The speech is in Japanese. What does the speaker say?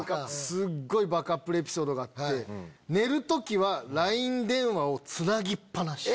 すっごいバカップルエピソードがあって寝る時はＬＩＮＥ電話をつなぎっ放し。